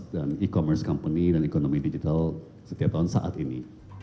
dan e commerce company dan ekonomi digital setiap tahun saat ini